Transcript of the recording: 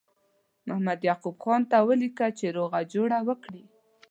محمد یعقوب خان ته ولیکه چې روغه جوړه وکړي.